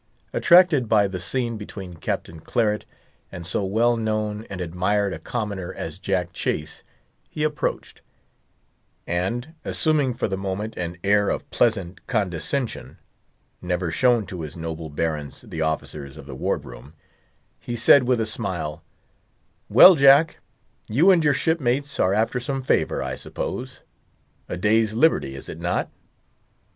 Attracted by the scene between Captain Claret and so well known and admired a commoner as Jack Chase he approached, and assuming for the moment an air of pleasant condescension—never shown to his noble barons the officers of the ward room—he said, with a smile, "Well, Jack, you and your shipmates are after some favour, I suppose—a day's liberty, is it not?"